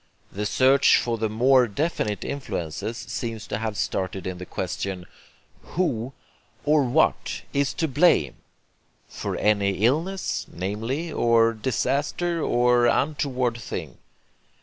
The search for the more definite influences seems to have started in the question: "Who, or what, is to blame?" for any illness, namely, or disaster, or untoward thing.